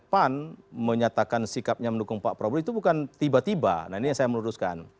pan menyatakan sikapnya mendukung pak prabowo itu bukan tiba tiba nah ini yang saya meluruskan